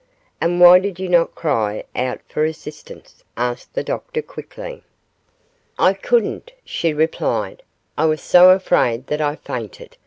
'And why did you not cry out for assistance?' asked the doctor, quickly. 'I couldn't,' she replied, 'I was so afraid that I fainted.